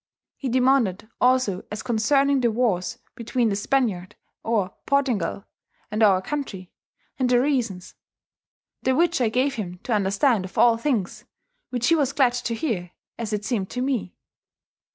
"He demaunded also as conserning the warres between the Spaniard or Portingall and our countrey, and the reasons: the which I gaue him to vnderstand of all things, which he was glad to heare, as it seemed to me.